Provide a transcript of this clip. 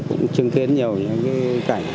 cũng chứng kiến nhiều những cái cảnh